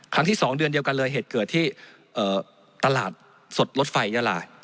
ครั้งที่สองเดือนเดียวกันเลยเหตุเกิดที่ตลาดสดลดไฟเยอะหลาย